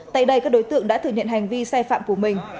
tại đây các đối tượng đã thừa nhận hành vi sai phạm của mình